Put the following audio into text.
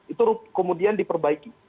itu kemudian diperbaiki